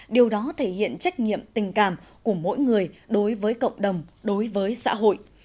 điều đó thể hiện trách nhiệm tình cảm của mỗi người đối với cộng đồng đối với xã hội